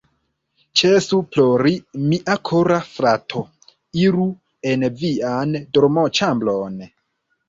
Ĉesu plori mia kora frato, iru en vian dormoĉambron